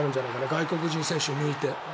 外国人選手を抜いて。